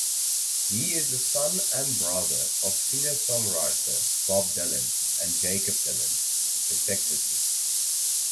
He is the son and brother of singer-songwriters Bob Dylan and Jakob Dylan, respectively.